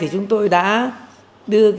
chúng tôi đã đưa